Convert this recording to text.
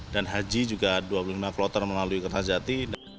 dan haji juga dua puluh lima kloter melalui kertajati